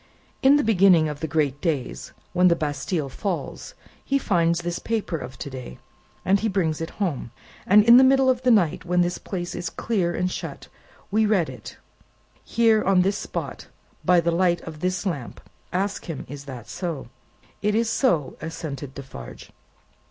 "In the beginning of the great days, when the Bastille falls, he finds this paper of to day, and he brings it home, and in the middle of the night when this place is clear and shut, we read it, here on this spot, by the light of this lamp. Ask him, is that so." "It is so," assented Defarge.